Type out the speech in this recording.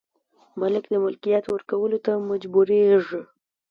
مالک د ملکیت ورکولو ته مجبوریږي.